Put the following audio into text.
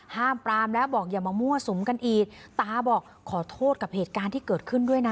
ห้ามปรามแล้วบอกอย่ามามั่วสุมกันอีกตาบอกขอโทษกับเหตุการณ์ที่เกิดขึ้นด้วยนะ